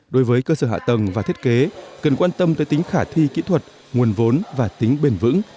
đối với cơ sở hạ tầng và thiết kế cần quan tâm tới tính khả thi kỹ thuật nguồn vốn và tính bền vững